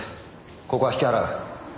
ここは引き払う。